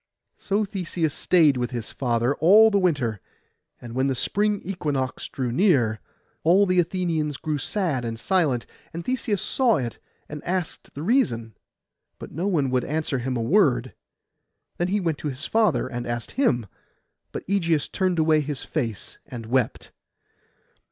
So Theseus stayed with his father all the winter: and when the spring equinox drew near, all the Athenians grew sad and silent, and Theseus saw it, and asked the reason; but no one would answer him a word. Then he went to his father, and asked him: but Ægeus turned away his face and wept.